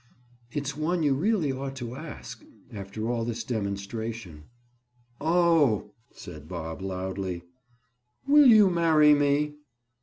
"It's one you really ought to ask, after all this demonstration." "Oh!" said Bob loudly. "Will you marry me?"